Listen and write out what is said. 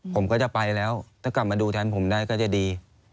ผมก็จะไปแล้วถ้ากลับมาดูแทนผมได้ก็จะดี